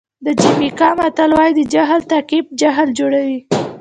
د جمیکا متل وایي د جاهل تعقیب جاهل جوړوي.